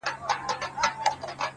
زړورتیا د حرکت نوم دی’